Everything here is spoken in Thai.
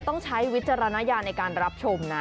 ใช้วิจารณญาณในการรับชมนะ